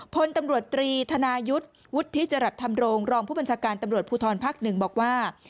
พตศทรีย์ธนายุทธิจดักษ์ทำลงรองมบภางศาการตำรวจภูทอนภหนึ่งบอกว่า